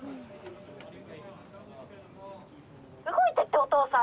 ☎動いてってお父さん。